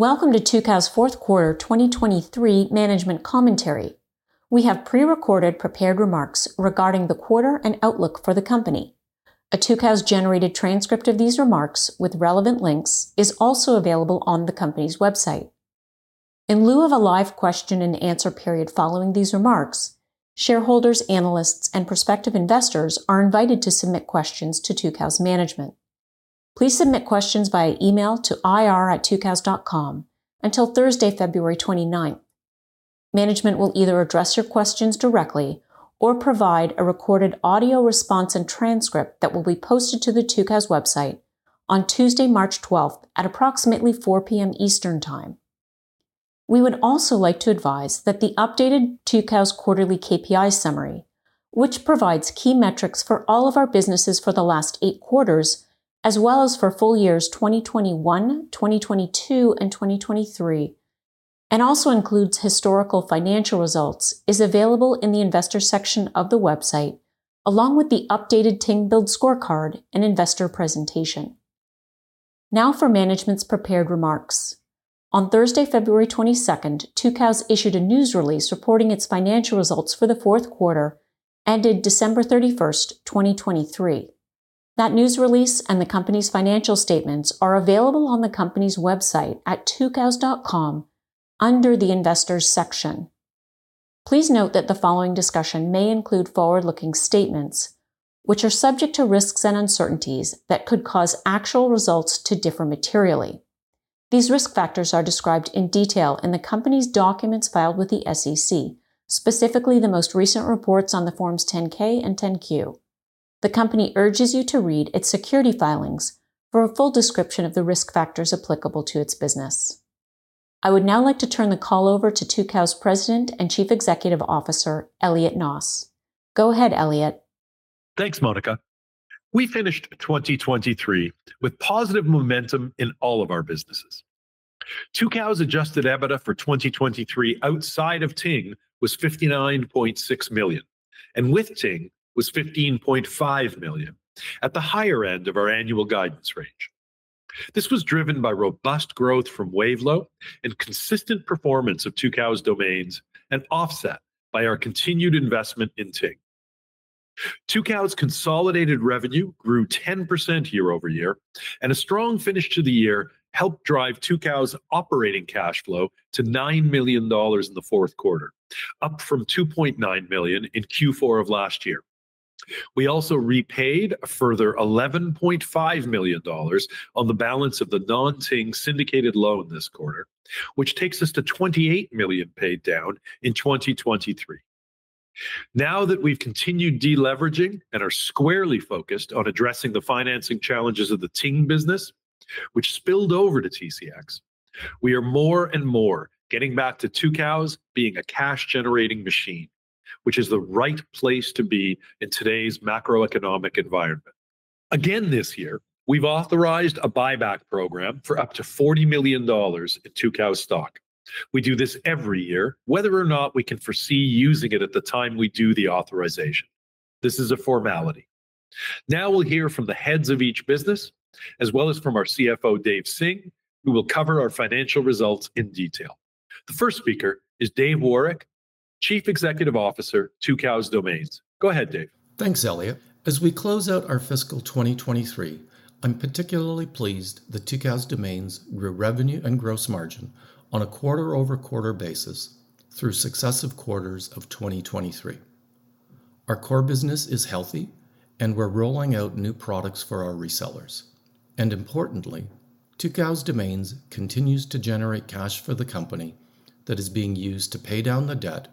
Welcome to Tucows fourth quarter 2023 management commentary. We have prerecorded prepared remarks regarding the quarter and outlook for the company. A Tucows-generated transcript of these remarks, with relevant links, is also available on the company's website. In lieu of a live question-and-answer period following these remarks, shareholders, analysts, and prospective investors are invited to submit questions to Tucows management. Please submit questions via email to ir@tucows.com until Thursday, February 29. Management will either address your questions directly or provide a recorded audio response and transcript that will be posted to the Tucows website on Tuesday, March 12, at approximately 4:00 P.M. Eastern Time. We would also like to advise that the updated Tucows quarterly KPI summary, which provides key metrics for all of our businesses for the last eight quarters as well as for full years 2021, 2022, and 2023, and also includes historical financial results, is available in the Investors section of the website along with the updated Ting Build scorecard and investor presentation. Now for management's prepared remarks. On Thursday, February 22, Tucows issued a news release reporting its financial results for the fourth quarter ended December 31, 2023. That news release and the company's financial statements are available on the company's website at tucows.com under the Investors section. Please note that the following discussion may include forward-looking statements, which are subject to risks and uncertainties that could cause actual results to differ materially. These risk factors are described in detail in the company's documents filed with the SEC, specifically the most recent reports on Form 10-K and Form 10-Q. The company urges you to read its securities filings for a full description of the risk factors applicable to its business. I would now like to turn the call over to Tucows President and Chief Executive Officer, Elliot Noss. Go ahead, Elliot. Thanks, Monica. We finished 2023 with positive momentum in all of our businesses. Tucows' Adjusted EBITDA for 2023 outside of Ting was $59.6 million, and with Ting was $15.5 million, at the higher end of our annual guidance range. This was driven by robust growth from Wavelo and consistent performance of Tucows' domains and offset by our continued investment in Ting. Tucows' consolidated revenue grew 10% year-over-year, and a strong finish to the year helped drive Tucows' operating cash flow to $9 million in the fourth quarter, up from $2.9 million in Q4 of last year. We also repaid a further $11.5 million on the balance of the non-Ting syndicated loan this quarter, which takes us to $28 million paid down in 2023. Now that we've continued deleveraging and are squarely focused on addressing the financing challenges of the Ting business, which spilled over to TCX, we are more and more getting back to Tucows being a cash-generating machine, which is the right place to be in today's macroeconomic environment. Again this year, we've authorized a buyback program for up to $40 million in Tucows' stock. We do this every year, whether or not we can foresee using it at the time we do the authorization. This is a formality. Now we'll hear from the heads of each business, as well as from our CFO, Dave Singh, who will cover our financial results in detail. The first speaker is Dave Woroch, Chief Executive Officer of Tucows Domains. Go ahead, Dave. Thanks, Elliot. As we close out our fiscal 2023, I'm particularly pleased that Tucows Domains grew revenue and gross margin on a quarter-over-quarter basis through successive quarters of 2023. Our core business is healthy, and we're rolling out new products for our resellers. Importantly, Tucows Domains continues to generate cash for the company that is being used to pay down the debt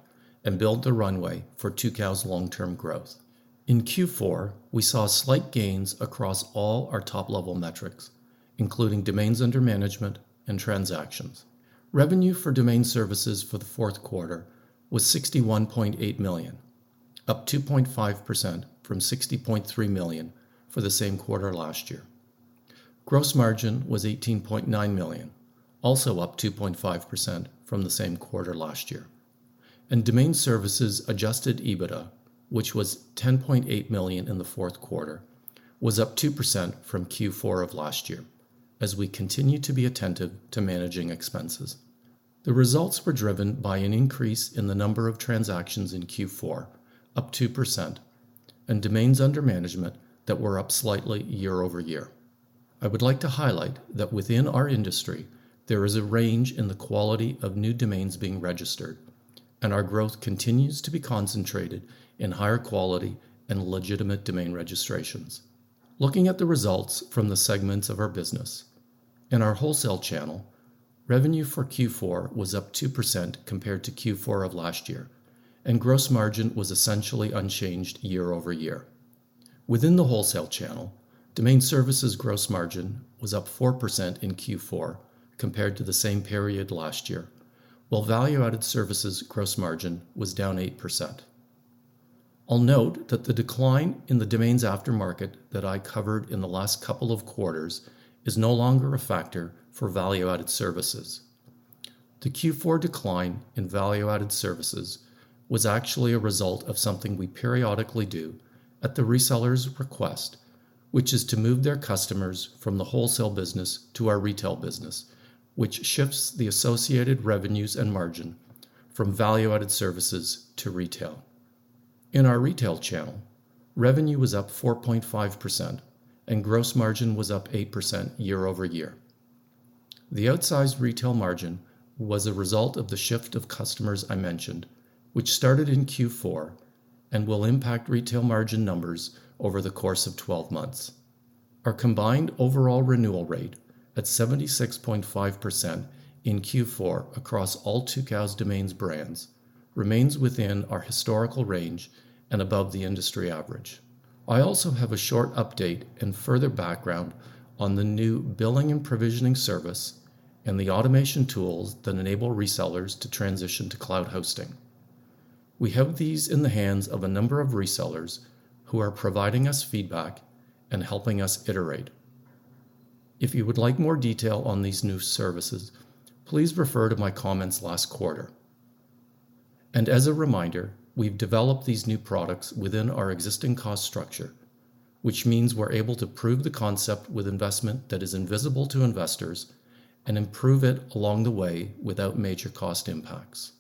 and build the runway for Tucows' long-term growth. In Q4, we saw slight gains across all our top-level metrics, including domains under management and transactions. Revenue for domain services for the fourth quarter was $61.8 million, up 2.5% from $60.3 million for the same quarter last year. Gross margin was $18.9 million, also up 2.5% from the same quarter last year. Domain services Adjusted EBITDA, which was $10.8 million in the fourth quarter, was up 2% from Q4 of last year, as we continue to be attentive to managing expenses. The results were driven by an increase in the number of transactions in Q4, up 2%, and domains under management that were up slightly year-over-year. I would like to highlight that within our industry, there is a range in the quality of new domains being registered, and our growth continues to be concentrated in higher quality and legitimate domain registrations. Looking at the results from the segments of our business, in our wholesale channel, revenue for Q4 was up 2% compared to Q4 of last year, and gross margin was essentially unchanged year-over-year. Within the wholesale channel, domain services gross margin was up 4% in Q4 compared to the same period last year, while value-added services gross margin was down 8%. I'll note that the decline in the domains aftermarket that I covered in the last couple of quarters is no longer a factor for value-added services. The Q4 decline in value-added services was actually a result of something we periodically do at the resellers' request, which is to move their customers from the wholesale business to our retail business, which shifts the associated revenues and margin from value-added services to retail. In our retail channel, revenue was up 4.5%, and gross margin was up 8% year-over-year. The outsized retail margin was a result of the shift of customers I mentioned, which started in Q4 and will impact retail margin numbers over the course of 12 months. Our combined overall renewal rate at 76.5% in Q4 across all Tucows Domains brands remains within our historical range and above the industry average. I also have a short update and further background on the new billing and provisioning service and the automation tools that enable resellers to transition to cloud hosting. We have these in the hands of a number of resellers who are providing us feedback and helping us iterate. If you would like more detail on these new services, please refer to my comments last quarter. As a reminder, we've developed these new products within our existing cost structure, which means we're able to prove the concept with investment that is invisible to investors and improve it along the way without major cost impacts.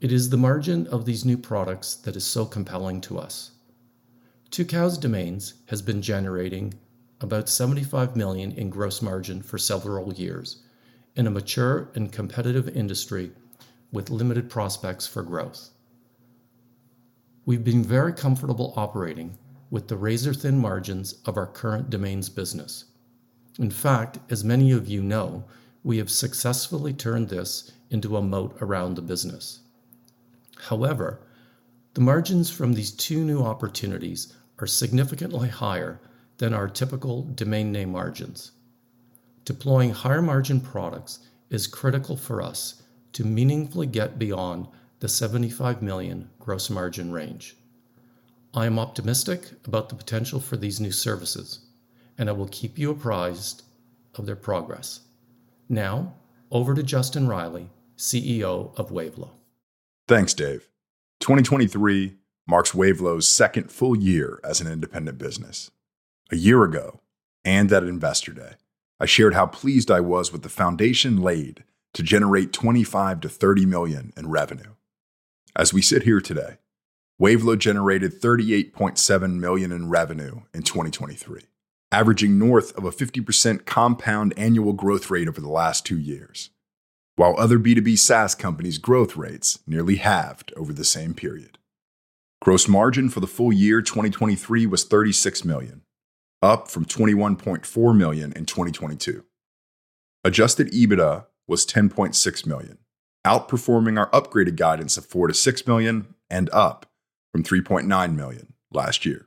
It is the margin of these new products that is so compelling to us. Tucows Domains has been generating about $75 million in gross margin for several years in a mature and competitive industry with limited prospects for growth. We've been very comfortable operating with the razor-thin margins of our current domains business. In fact, as many of you know, we have successfully turned this into a moat around the business. However, the margins from these two new opportunities are significantly higher than our typical domain name margins. Deploying higher-margin products is critical for us to meaningfully get beyond the $75 million gross margin range. I am optimistic about the potential for these new services, and I will keep you apprised of their progress. Now over to Justin Reilly, CEO of Wavelo. Thanks, Dave. 2023 marks Wavelo's second full year as an independent business. A year ago and at Investor Day, I shared how pleased I was with the foundation laid to generate $25 million-$30 million in revenue. As we sit here today, Wavelo generated $38.7 million in revenue in 2023, averaging north of a 50% compound annual growth rate over the last two years, while other B2B SaaS companies' growth rates nearly halved over the same period. Gross margin for the full year 2023 was $36 million, up from $21.4 million in 2022. Adjusted EBITDA was $10.6 million, outperforming our upgraded guidance of $4 million-$6 million and up from $3.9 million last year.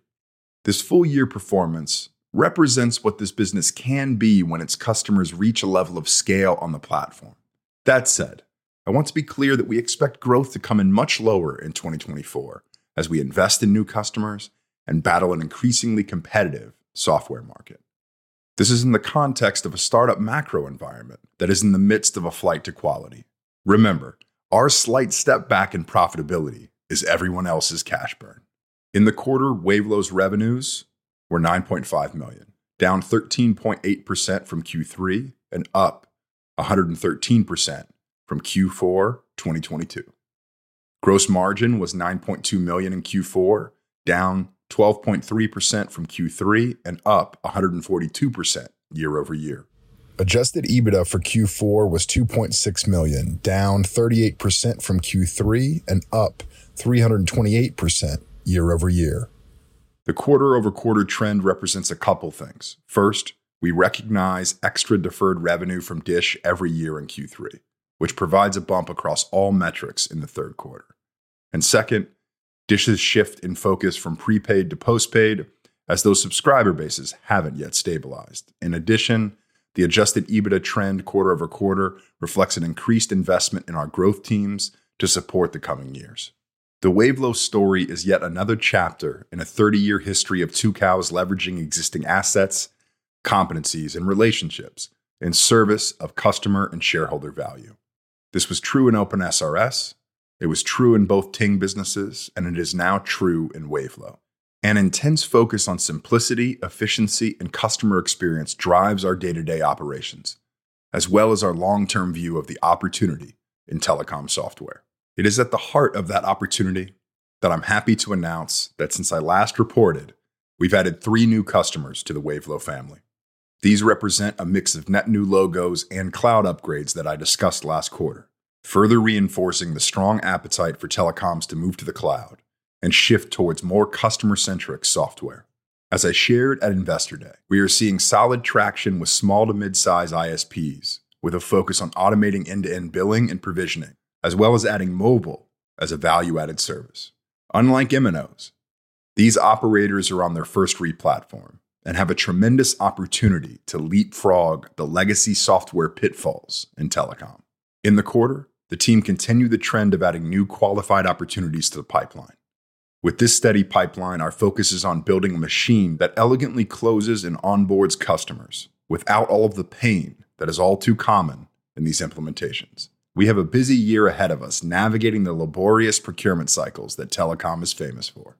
This full-year performance represents what this business can be when its customers reach a level of scale on the platform. That said, I want to be clear that we expect growth to come in much lower in 2024 as we invest in new customers and battle an increasingly competitive software market. This is in the context of a startup macro environment that is in the midst of a flight to quality. Remember, our slight step back in profitability is everyone else's cash burn. In the quarter, Wavelo's revenues were $9.5 million, down 13.8% from Q3 and up 113% from Q4 2022. Gross margin was $9.2 million in Q4, down 12.3% from Q3 and up 142% year-over-year. Adjusted EBITDA for Q4 was $2.6 million, down 38% from Q3 and up 328% year-over-year. The quarter-over-quarter trend represents a couple of things. First, we recognize extra deferred revenue from DISH every year in Q3, which provides a bump across all metrics in the third quarter. And second, DISH's shift in focus from prepaid to postpaid as those subscriber bases haven't yet stabilized. In addition, the Adjusted EBITDA trend quarter-over-quarter reflects an increased investment in our growth teams to support the coming years. The Wavelo story is yet another chapter in a 30-year history of Tucows leveraging existing assets, competencies, and relationships in service of customer and shareholder value. This was true in OpenSRS. It was true in both Ting businesses, and it is now true in Wavelo. An intense focus on simplicity, efficiency, and customer experience drives our day-to-day operations, as well as our long-term view of the opportunity in telecom software. It is at the heart of that opportunity that I'm happy to announce that since I last reported, we've added three new customers to the Wavelo family. These represent a mix of net new logos and cloud upgrades that I discussed last quarter, further reinforcing the strong appetite for telecoms to move to the cloud and shift towards more customer-centric software. As I shared at Investor Day, we are seeing solid traction with small to mid-size ISPs with a focus on automating end-to-end billing and provisioning, as well as adding mobile as a value-added service. Unlike Ivan Ivanov, these operators are on their first replatform and have a tremendous opportunity to leapfrog the legacy software pitfalls in telecom. In the quarter, the team continued the trend of adding new qualified opportunities to the pipeline. With this steady pipeline, our focus is on building a machine that elegantly closes and onboards customers without all of the pain that is all too common in these implementations. We have a busy year ahead of us navigating the laborious procurement cycles that telecom is famous for.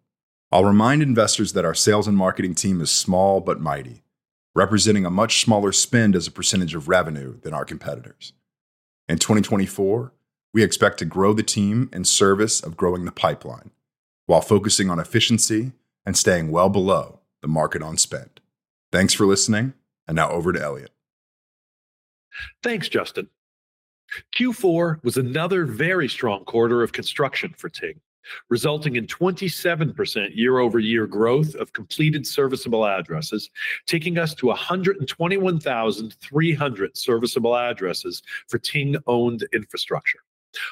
I'll remind investors that our sales and marketing team is small but mighty, representing a much smaller spend as a percentage of revenue than our competitors. In 2024, we expect to grow the team in service of growing the pipeline while focusing on efficiency and staying well below the market-on-spend. Thanks for listening, and now over to Elliot. Thanks, Justin. Q4 was another very strong quarter of construction for Ting, resulting in 27% year-over-year growth of completed serviceable addresses, taking us to 121,300 serviceable addresses for Ting-owned infrastructure.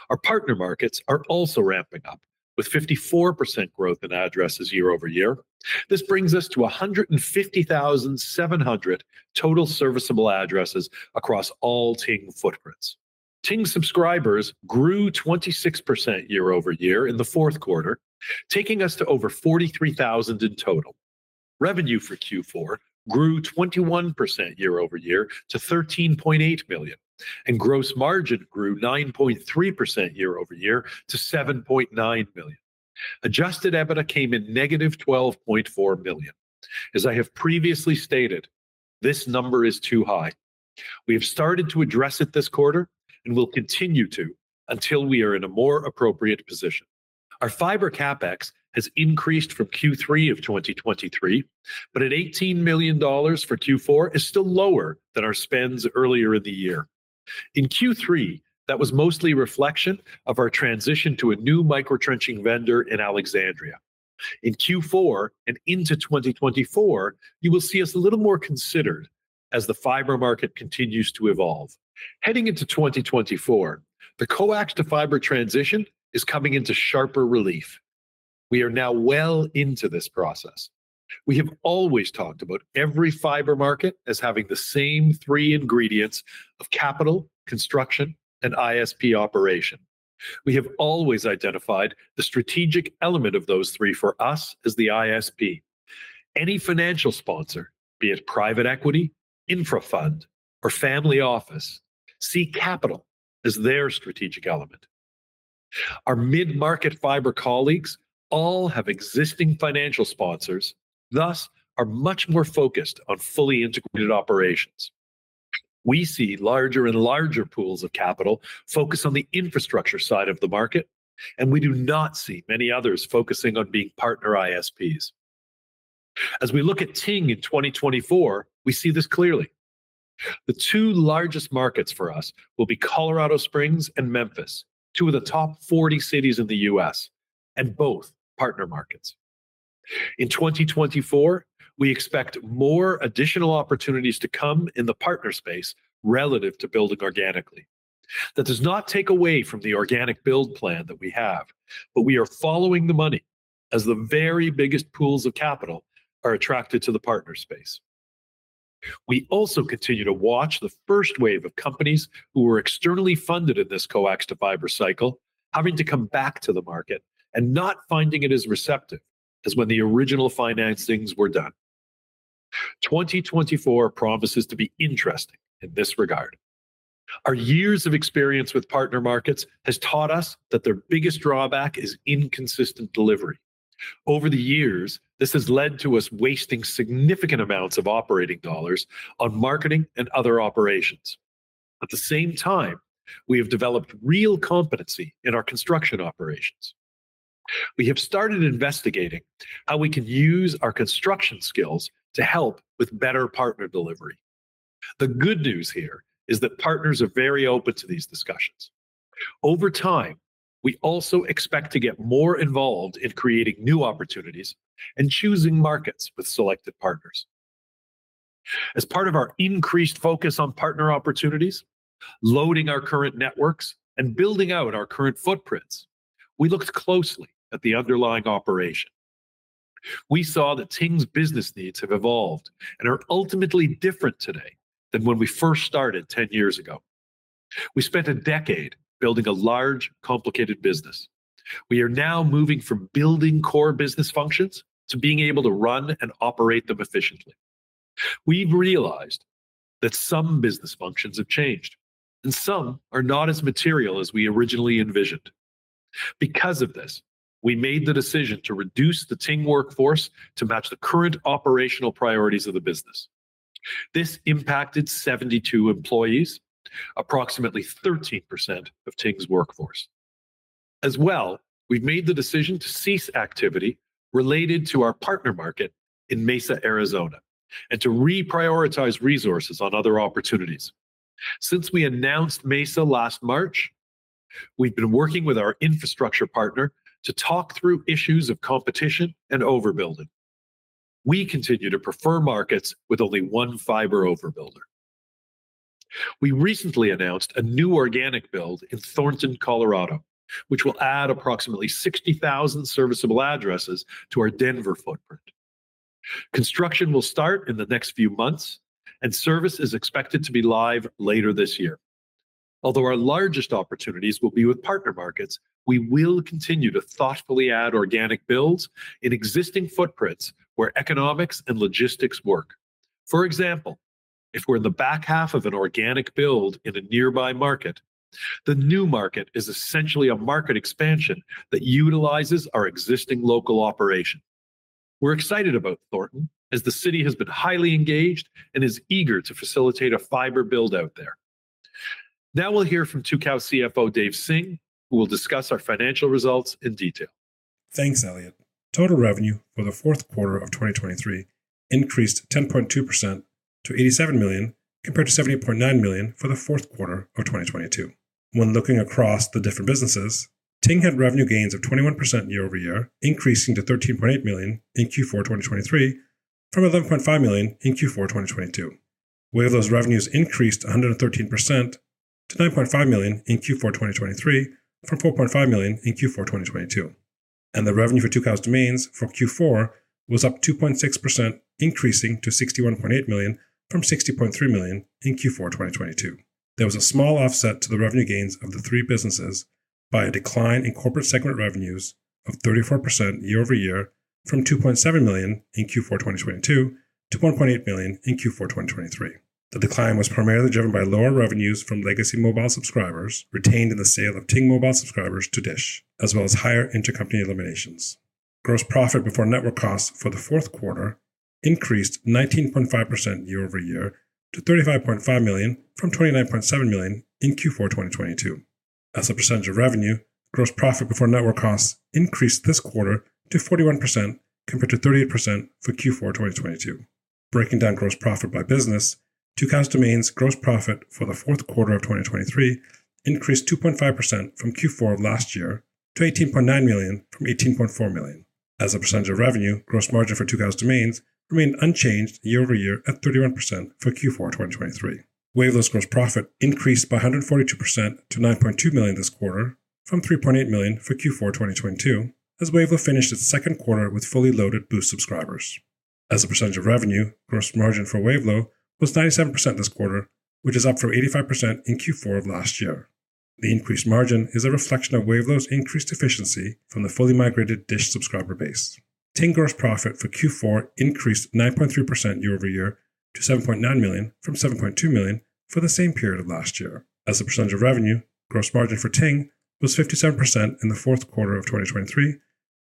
Our partner markets are also ramping up with 54% growth in addresses year-over-year. This brings us to 150,700 total serviceable addresses across all Ting footprints. Ting subscribers grew 26% year-over-year in the fourth quarter, taking us to over 43,000 in total. Revenue for Q4 grew 21% year-over-year to $13.8 million, and gross margin grew 9.3% year-over-year to $7.9 million. Adjusted EBITDA came in negative $12.4 million. As I have previously stated, this number is too high. We have started to address it this quarter and will continue to until we are in a more appropriate position. Our fiber CapEx has increased from Q3 of 2023, but at $18 million for Q4 is still lower than our spends earlier in the year. In Q3, that was mostly a reflection of our transition to a new micro-trenching vendor in Alexandria. In Q4 and into 2024, you will see us a little more considered as the fiber market continues to evolve. Heading into 2024, the coax to fiber transition is coming into sharper relief. We are now well into this process. We have always talked about every fiber market as having the same three ingredients of capital, construction, and ISP operation. We have always identified the strategic element of those three for us as the ISP. Any financial sponsor, be it private equity, infra fund, or family office, see capital as their strategic element. Our mid-market fiber colleagues all have existing financial sponsors, thus are much more focused on fully integrated operations. We see larger and larger pools of capital focus on the infrastructure side of the market, and we do not see many others focusing on being partner ISPs. As we look at Ting in 2024, we see this clearly. The two largest markets for us will be Colorado Springs and Memphis, two of the top 40 cities in the U.S., and both partner markets. In 2024, we expect more additional opportunities to come in the partner space relative to building organically. That does not take away from the organic build plan that we have, but we are following the money as the very biggest pools of capital are attracted to the partner space. We also continue to watch the first wave of companies who were externally funded in this coax to fiber cycle having to come back to the market and not finding it as receptive as when the original financings were done. 2024 promises to be interesting in this regard. Our years of experience with partner markets have taught us that their biggest drawback is inconsistent delivery. Over the years, this has led to us wasting significant amounts of operating dollars on marketing and other operations. At the same time, we have developed real competency in our construction operations. We have started investigating how we can use our construction skills to help with better partner delivery. The good news here is that partners are very open to these discussions. Over time, we also expect to get more involved in creating new opportunities and choosing markets with selected partners. As part of our increased focus on partner opportunities, loading our current networks, and building out our current footprints, we looked closely at the underlying operation. We saw that Ting's business needs have evolved and are ultimately different today than when we first started 10 years ago. We spent a decade building a large, complicated business. We are now moving from building core business functions to being able to run and operate them efficiently. We've realized that some business functions have changed, and some are not as material as we originally envisioned. Because of this, we made the decision to reduce the Ting workforce to match the current operational priorities of the business. This impacted 72 employees, approximately 13% of Ting's workforce. As well, we've made the decision to cease activity related to our partner market in Mesa, Arizona, and to reprioritize resources on other opportunities. Since we announced Mesa last March, we've been working with our infrastructure partner to talk through issues of competition and overbuilding. We continue to prefer markets with only one fiber overbuilder. We recently announced a new organic build in Thornton, Colorado, which will add approximately 60,000 serviceable addresses to our Denver footprint. Construction will start in the next few months, and service is expected to be live later this year. Although our largest opportunities will be with partner markets, we will continue to thoughtfully add organic builds in existing footprints where economics and logistics work. For example, if we're in the back half of an organic build in a nearby market, the new market is essentially a market expansion that utilizes our existing local operation. We're excited about Thornton as the city has been highly engaged and is eager to facilitate a fiber build out there. Now we'll hear from Tucows CFO Dave Singh, who will discuss our financial results in detail. Thanks, Elliot. Total revenue for the fourth quarter of 2023 increased 10.2% to $87 million compared to $78.9 million for the fourth quarter of 2022. When looking across the different businesses, Ting had revenue gains of 21% year-over-year, increasing to $13.8 million in Q4 2023 from $11.5 million in Q4 2022. Wavelo's revenues increased 113% to $9.5 million in Q4 2023 from $4.5 million in Q4 2022. The revenue for Tucows Domains for Q4 was up 2.6%, increasing to $61.8 million from $60.3 million in Q4 2022. There was a small offset to the revenue gains of the three businesses by a decline in corporate segment revenues of 34% year-over-year from $2.7 million in Q4 2022 to $1.8 million in Q4 2023. The decline was primarily driven by lower revenues from legacy mobile subscribers retained in the sale of Ting mobile subscribers to DISH, as well as higher intercompany eliminations. Gross profit before network costs for the fourth quarter increased 19.5% year-over-year to $35.5 million from $29.7 million in Q4 2022. As a percentage of revenue, gross profit before network costs increased this quarter to 41% compared to 38% for Q4 2022. Breaking down gross profit by business, Tucows Domains' gross profit for the fourth quarter of 2023 increased 2.5% from Q4 of last year to $18.9 million from $18.4 million. As a percentage of revenue, gross margin for Tucows Domains remained unchanged year-over-year at 31% for Q4 2023. Wavelo's gross profit increased by 142% to $9.2 million this quarter from $3.8 million for Q4 2022 as Wavelo finished its second quarter with fully loaded Boost subscribers. As a percentage of revenue, gross margin for Wavelo was 97% this quarter, which is up from 85% in Q4 of last year. The increased margin is a reflection of Wavelo's increased efficiency from the fully migrated DISH subscriber base. Ting gross profit for Q4 increased 9.3% year-over-year to $7.9 million from $7.2 million for the same period of last year. As a percentage of revenue, gross margin for Ting was 57% in the fourth quarter of 2023,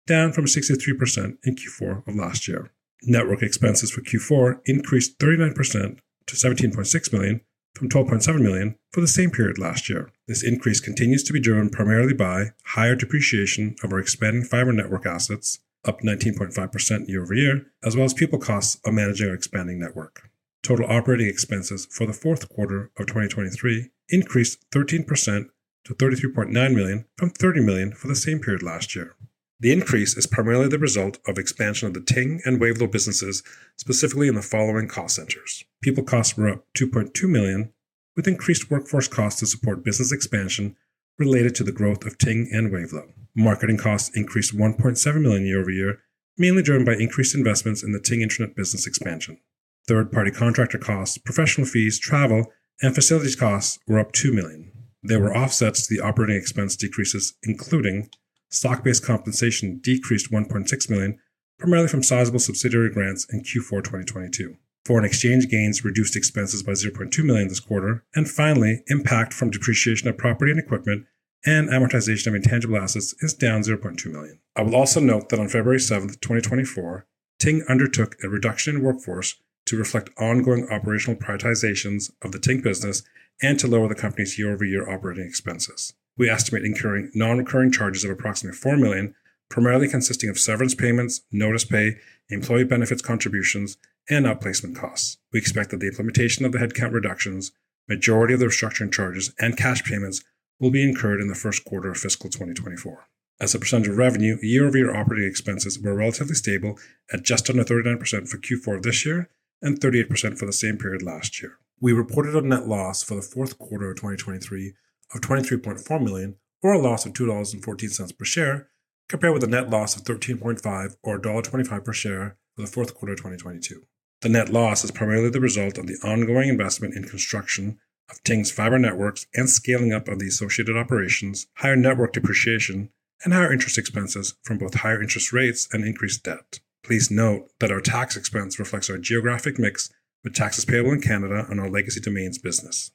down from 63% in Q4 of last year. Network expenses for Q4 increased 39% to $17.6 million from $12.7 million for the same period last year. This increase continues to be driven primarily by higher depreciation of our expanding fiber network assets, up 19.5% year-over-year, as well as people costs of managing our expanding network. Total operating expenses for the fourth quarter of 2023 increased 13% to $33.9 million from $30 million for the same period last year. The increase is primarily the result of expansion of the Ting and Wavelo businesses specifically in the following cost centers. People costs were up $2.2 million with increased workforce costs to support business expansion related to the growth of Ting and Wavelo. Marketing costs increased $1.7 million year-over-year, mainly driven by increased investments in the Ting Internet business expansion. Third-party contractor costs, professional fees, travel, and facilities costs were up $2 million. They were offsets to the operating expense decreases, including stock-based compensation decreased $1.6 million, primarily from sizable subsidiary grants in Q4 2022. Foreign exchange gains reduced expenses by $0.2 million this quarter. And finally, impact from depreciation of property and equipment and amortization of intangible assets is down $0.2 million. I will also note that on February 7, 2024, Ting undertook a reduction in workforce to reflect ongoing operational prioritizations of the Ting business and to lower the company's year-over-year operating expenses. We estimate incurring non-recurring charges of approximately $4 million, primarily consisting of severance payments, notice pay, employee benefits contributions, and outplacement costs. We expect that the implementation of the headcount reductions, majority of their restructuring charges, and cash payments will be incurred in the first quarter of fiscal 2024. As a percentage of revenue, year-over-year operating expenses were relatively stable at just under 39% for Q4 of this year and 38% for the same period last year. We reported a net loss for the fourth quarter of 2023 of $23.4 million, or a loss of $2.14 per share, compared with a net loss of $13.5 million or $1.25 per share for the fourth quarter of 2022. The net loss is primarily the result of the ongoing investment in construction of Ting's fiber networks and scaling up of the associated operations, higher network depreciation, and higher interest expenses from both higher interest rates and increased debt. Please note that our tax expense reflects our geographic mix with taxes payable in Canada and our legacy domains business.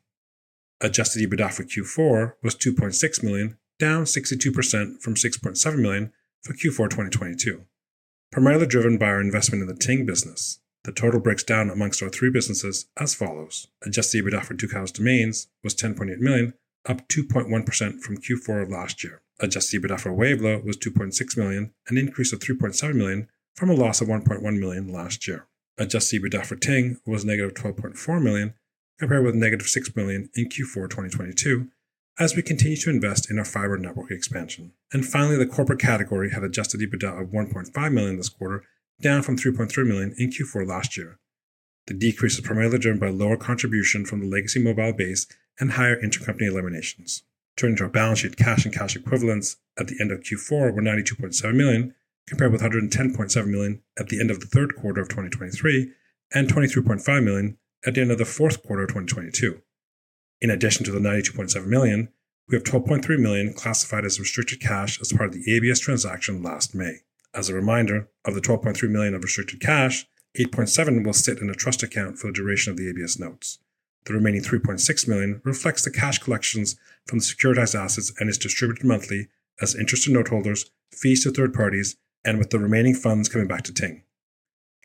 Adjusted EBITDA for Q4 was $2.6 million, down 62% from $6.7 million for Q4 2022. Primarily driven by our investment in the Ting business, the total breaks down amongst our three businesses as follows. Adjusted EBITDA for Tucows Domains was $10.8 million, up 2.1% from Q4 of last year. Adjusted EBITDA for Wavelo was $2.6 million, an increase of $3.7 million from a loss of $1.1 million last year. Adjusted EBITDA for Ting was -$12.4 million, compared with -$6 million in Q4 2022 as we continue to invest in our fiber network expansion. Finally, the corporate category had adjusted EBITDA of $1.5 million this quarter, down from $3.3 million in Q4 last year. The decrease is primarily driven by lower contribution from the legacy mobile base and higher intercompany eliminations. Turning to our balance sheet, cash and cash equivalents at the end of Q4 were $92.7 million, compared with $110.7 million at the end of the third quarter of 2023 and $23.5 million at the end of the fourth quarter of 2022. In addition to the $92.7 million, we have $12.3 million classified as restricted cash as part of the ABS transaction last May. As a reminder of the $12.3 million of restricted cash, $8.7 million will sit in a trust account for the duration of the ABS notes. The remaining $3.6 million reflects the cash collections from the securitized assets and is distributed monthly as interest to noteholders, fees to third parties, and with the remaining funds coming back to Ting.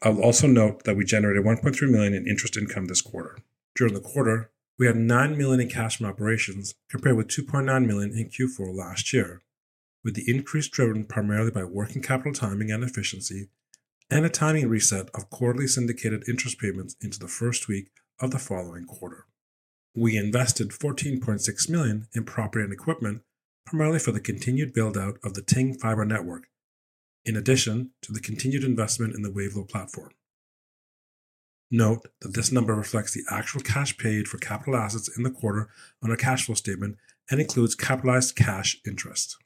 I will also note that we generated $1.3 million in interest income this quarter. During the quarter, we had $9 million in cash from operations compared with $2.9 million in Q4 last year, with the increase driven primarily by working capital timing and efficiency and a timing reset of quarterly syndicated interest payments into the first week of the following quarter. We invested $14.6 million in property and equipment primarily for the continued build-out of the Ting fiber network in addition to the continued investment in the Wavelo platform. Note that this number reflects the actual cash paid for capital assets in the quarter on our cash flow statement and includes capitalized cash interest.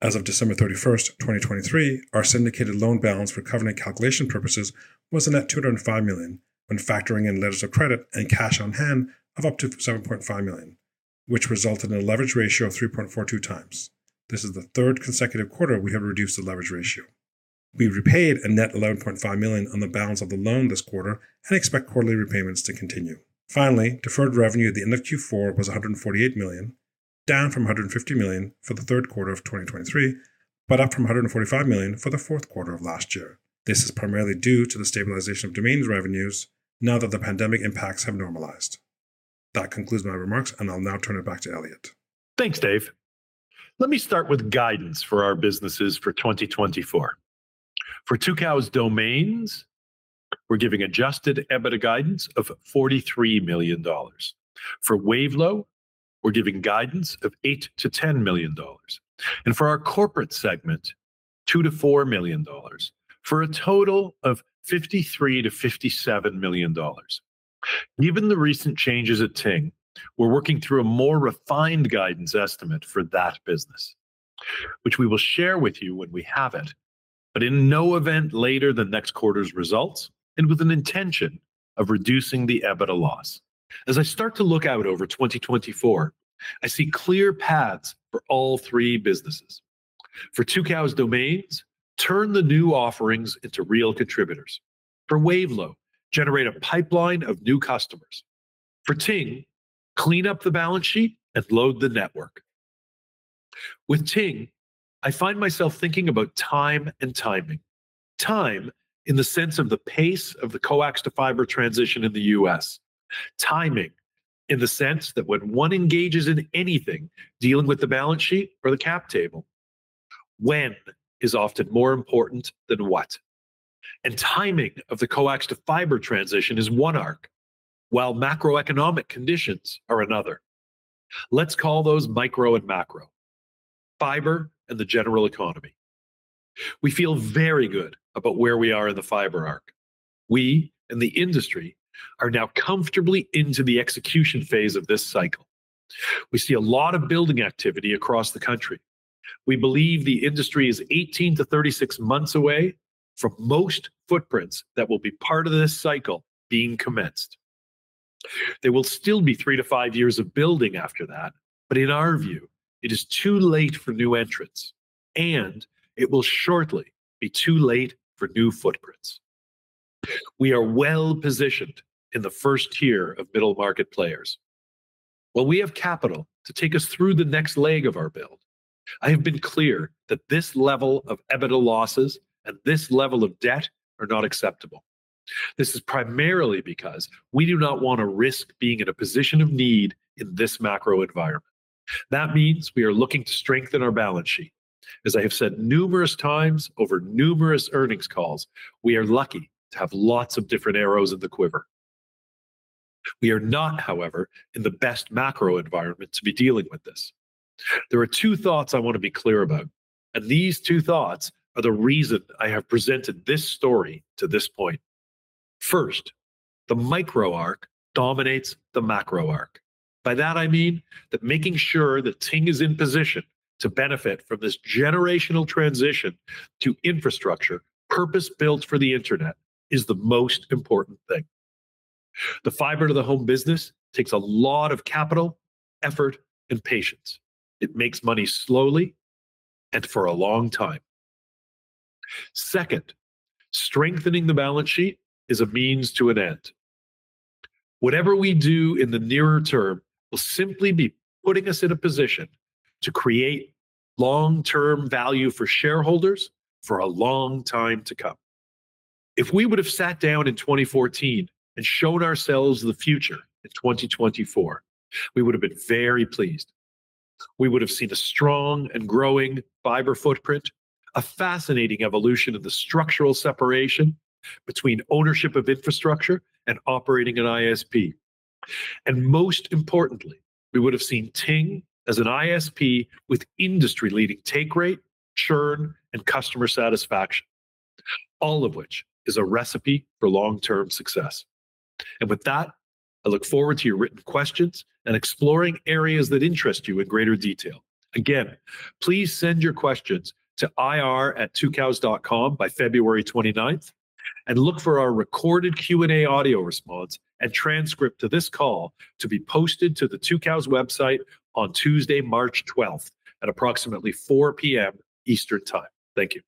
As of December 31, 2023, our syndicated loan balance for covenant calculation purposes was a net $205 million when factoring in letters of credit and cash on hand of up to $7.5 million, which resulted in a leverage ratio of 3.42 times. This is the third consecutive quarter we have reduced the leverage ratio. We repaid a net $11.5 million on the balance of the loan this quarter and expect quarterly repayments to continue. Finally, deferred revenue at the end of Q4 was $148 million, down from $150 million for the third quarter of 2023 but up from $145 million for the fourth quarter of last year. This is primarily due to the stabilization of domains revenues now that the pandemic impacts have normalized. That concludes my remarks, and I'll now turn it back to Elliot. Thanks, Dave. Let me start with guidance for our businesses for 2024. For Tucows Domains, we're giving adjusted EBITDA guidance of $43 million. For Wavelo, we're giving guidance of $8-$10 million. And for our corporate segment, $2-$4 million for a total of $53-$57 million. Given the recent changes at Ting, we're working through a more refined guidance estimate for that business, which we will share with you when we have it, but in no event later than next quarter's results and with an intention of reducing the EBITDA loss. As I start to look out over 2024, I see clear paths for all three businesses. For Tucows Domains, turn the new offerings into real contributors. For Wavelo, generate a pipeline of new customers. For Ting, clean up the balance sheet and load the network. With Ting, I find myself thinking about time and timing. Time in the sense of the pace of the Coax to fiber transition in the U.S. Timing in the sense that when one engages in anything dealing with the balance sheet or the cap table, when is often more important than what. And timing of the Coax to fiber transition is one arc, while macroeconomic conditions are another. Let's call those micro and macro. Fiber and the general economy. We feel very good about where we are in the fiber arc. We and the industry are now comfortably into the execution phase of this cycle. We see a lot of building activity across the country. We believe the industry is 18-36 months away from most footprints that will be part of this cycle being commenced. There will still be 3-5 years of building after that, but in our view, it is too late for new entrants, and it will shortly be too late for new footprints. We are well positioned in the first tier of middle market players. While we have capital to take us through the next leg of our build, I have been clear that this level of EBITDA losses and this level of debt are not acceptable. This is primarily because we do not want to risk being in a position of need in this macro environment. That means we are looking to strengthen our balance sheet. As I have said numerous times over numerous earnings calls, we are lucky to have lots of different arrows in the quiver. We are not, however, in the best macro environment to be dealing with this. There are two thoughts I want to be clear about, and these two thoughts are the reason I have presented this story to this point. First, the micro arc dominates the macro arc. By that, I mean that making sure that Ting is in position to benefit from this generational transition to infrastructure purpose-built for the internet is the most important thing. The fiber to the home business takes a lot of capital, effort, and patience. It makes money slowly and for a long time. Second, strengthening the balance sheet is a means to an end. Whatever we do in the nearer term will simply be putting us in a position to create long-term value for shareholders for a long time to come. If we would have sat down in 2014 and shown ourselves the future in 2024, we would have been very pleased. We would have seen a strong and growing fiber footprint, a fascinating evolution of the structural separation between ownership of infrastructure and operating an ISP. And most importantly, we would have seen Ting as an ISP with industry-leading take rate, churn, and customer satisfaction, all of which is a recipe for long-term success. And with that, I look forward to your written questions and exploring areas that interest you in greater detail. Again, please send your questions to ir@tucows.com by February 29th and look for our recorded Q&A audio response and transcript to this call to be posted to the Tucows website on Tuesday, March 12th at approximately 4:00 P.M. Eastern Time. Thank you.